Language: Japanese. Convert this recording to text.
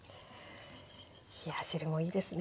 冷や汁もいいですね。